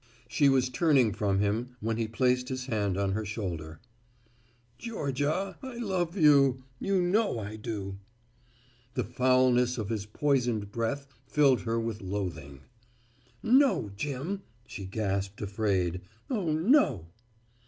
She was turning from him, when he placed his hand on her shoulder. "Georgia, I love you. You know I do." The foulness of his poisoned breath filled her with loathing. "No, Jim," she gasped, afraid. "Oh, no!"